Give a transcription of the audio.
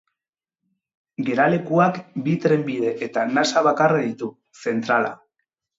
Geralekuak bi trenbide eta nasa bakarra ditu, zentrala.